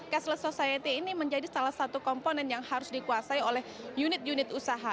cashless society ini menjadi salah satu komponen yang harus dikuasai oleh unit unit usaha